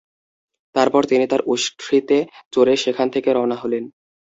তারপর তিনি তাঁর উষ্ট্রীতে চড়ে সেখান থেকে রওনা হলেন।